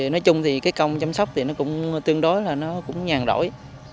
nói chung thì cái công chăm sóc thì nó cũng tương đối là nó cũng nhàn rỗi